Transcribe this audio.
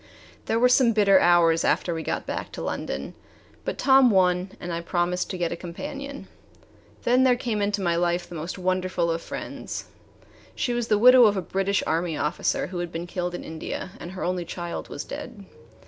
There were some bitter hours after we got back to London. But Tom won, and I promised to get a companion. Then there came into my life the most wonderful of friends. She was the widow of a British Army officer who had been killed in India, and her only child was dead.